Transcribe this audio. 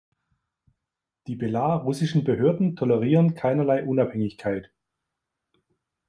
Die belarussischen Behörden tolerieren keinerlei Unabhängigkeit.